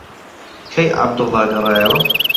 کەی عەبدوڵڵا گەڕایەوە؟